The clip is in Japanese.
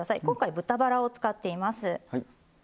今回豚バラを使っています。